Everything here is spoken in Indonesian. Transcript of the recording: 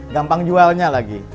gampang jualnya lagi